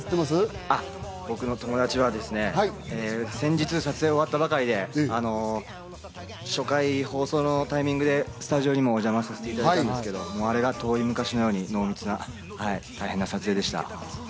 僕の友達はですね、先日、撮影が終わったばかりで、初回放送のタイミングでスタジオにもお邪魔させていただいたんですけど、あれが遠い昔のように、濃密で大変な撮影でした。